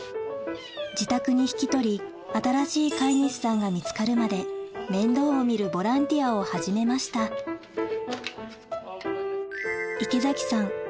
自宅に引き取り新しい飼い主さんが見つかるまで面倒を見るボランティアを始めました池崎さん